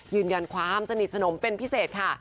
ยืนยันความสนิทสนมเป็นพิเศษค่ะ